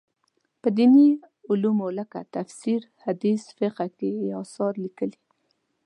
په دیني علومو لکه تفسیر، حدیث، فقه کې یې اثار لیکلي.